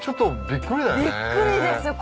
びっくりですよ。